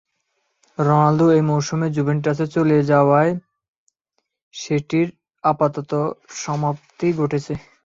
Ronaldo এই মৌসুমে জুভেন্টাসে চলে যাওয়ায় সেটির আপাত সমাপ্তি ঘটেছে।